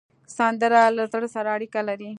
سندره له زړه سره اړیکه لري